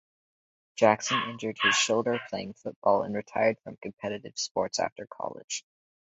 Jackson injured his shoulder playing football and retired from competitive sports after college.